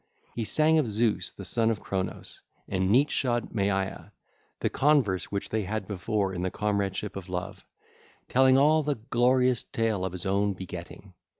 He sang of Zeus the son of Cronos and neat shod Maia, the converse which they had before in the comradeship of love, telling all the glorious tale of his own begetting.